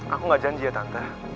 aku gak janji ya tante